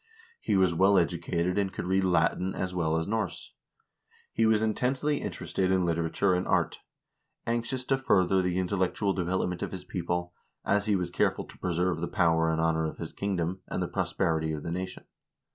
He was well educated, and could read Latin as well as Norse. He was intensely interested in literature and art; anxious to further the intellectual development of his people, as he was careful to preserve the power and honor of his kingdom, and the prosperity of the nation.